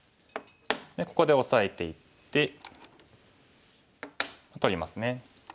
ここでオサえていって取りますね。